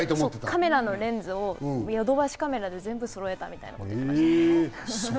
カメラのレンズをヨドバシカメラで全部そろえたって言ってました。